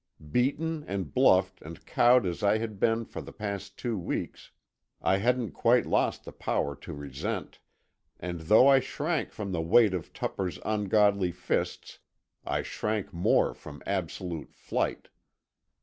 Beaten and bluffed and cowed as I had been for the past two weeks, I hadn't quite lost the power to resent, and though I shrank from the weight of Tupper's ungodly fists I shrank more from absolute flight.